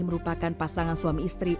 merupakan pasangan suami istri